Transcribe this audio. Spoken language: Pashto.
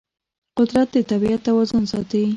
قدرت د طبیعت توازن ساتي.